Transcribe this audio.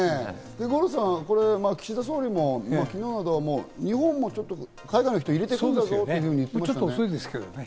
五郎さん、岸田総理も昨日、なんか日本も海外の人、入れていくんだぞと言ってましたね。